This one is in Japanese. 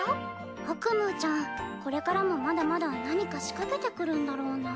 アクムーちゃんこれからもまだまだ何か仕掛けてくるんだろうな。